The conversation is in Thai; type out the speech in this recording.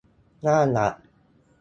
หน้าหลัก